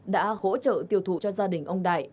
đã hỗ trợ tiêu thụ cho gia đình ông đại